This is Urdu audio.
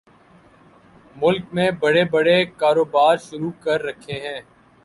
ملک میں بڑے بڑے کاروبار شروع کر رکھے ہیں